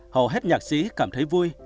hầu hết nhạc sĩ cảm thấy vui